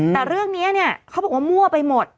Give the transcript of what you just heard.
แต่เรื่องนี้เนี่ยเขาบอกว่ามั่วไปหมด